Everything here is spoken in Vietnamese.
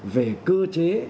về cơ chế